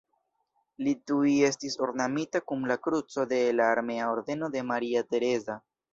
Li tuj estis ornamita kun la Kruco de la Armea ordeno de Maria Tereza.